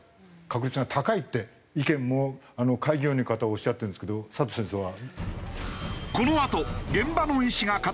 確率が高いって意見も開業医の方おっしゃってるんですけど佐藤先生は？